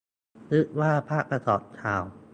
นึกว่าภาพประกอบข่าว